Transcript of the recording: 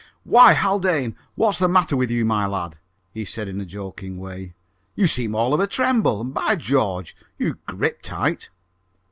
"Why, Haldane, what's the matter with you, my lad?" he said in a joking way, "You seem all of a tremble; and, by George, you grip tight!"